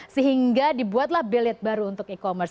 sehingga dibuatlah beliat baru untuk e commerce